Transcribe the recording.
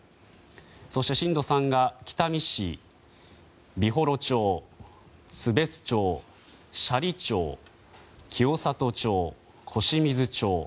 そして震度３が北見市、美幌町津別町、斜里町、清里町小清水町